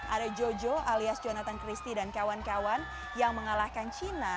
ada jojo alias jonathan christie dan kawan kawan yang mengalahkan cina